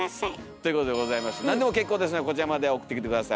ということでございまして何でも結構ですのでこちらまで送ってきて下さい。